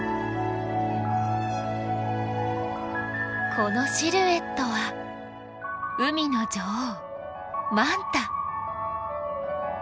このシルエットは海の女王マンタ。